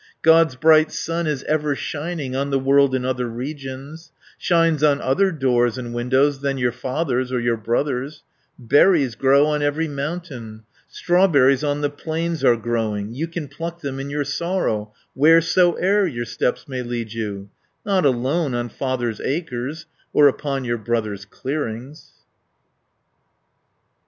570 God's bright sun is ever shining On the world in other regions, Shines on other doors and windows Than your father's or your brother's; Berries grow on every mountain, Strawberries on the plains are growing, You can pluck them in your sorrow Wheresoe'er your steps may lead you; Not alone on father's acres, Or upon your brother's clearings."